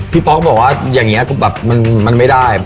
พี่ป๊อกบอกว่าอย่างเงี้ยมันไม่ได้